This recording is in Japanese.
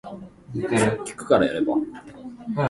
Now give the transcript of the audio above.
環境に優しい選択は、地球を守る始まりです。